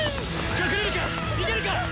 隠れるか⁉逃げるか